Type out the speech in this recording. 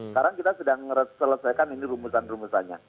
sekarang kita sedang selesaikan ini rumusan rumusannya